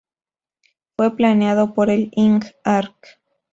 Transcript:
Fue planeado por el Ing. Arq.